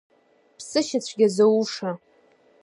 Ԥсышьацәгьа зауша!